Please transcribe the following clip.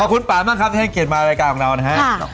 ขอบคุณป่ามากครับที่ให้เกียรติมารายการของเรานะครับ